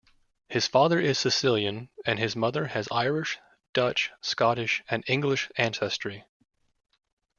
His father is Sicilian, and his mother has Irish, Dutch, Scottish, and English ancestry.